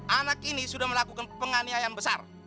anak ini sudah melakukan penganiayaan besar